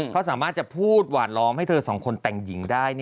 เขาสามารถจะพูดหวานล้อมให้เธอสองคนแต่งหญิงได้